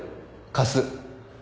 貸す。